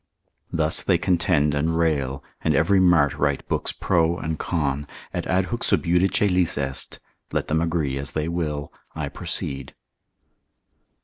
Thus they contend and rail, and every mart write books pro and con, et adhuc sub judice lis est: let them agree as they will, I proceed.